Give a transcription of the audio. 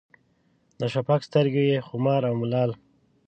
د شفق سترګو کې خمار او ملال